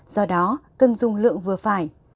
do đó cân dung lượng vừa phải